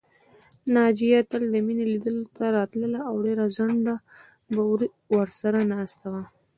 ناجیه تل د مينې لیدلو ته راتله او ډېر ځنډه به ورسره ناسته وه